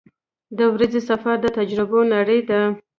• د ورځې سفر د تجربو نړۍ ده.